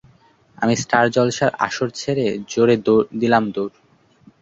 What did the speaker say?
আমি স্টার জলসার আসর ছেড়ে জোরে দিলাম দৌড়।